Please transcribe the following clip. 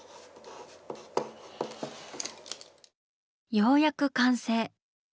ようやく完成。